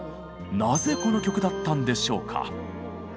なぜこの曲だったんでしょうか？